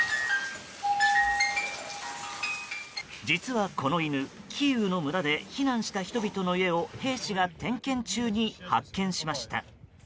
実はこの犬、キーウの村で避難した人々の家を兵士が点検中に発見しました。